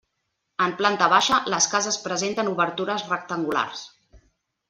En planta baixa, les cases presenten obertures rectangulars.